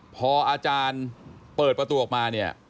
พออาจารย์เปิดประตูออกมาเนี่ย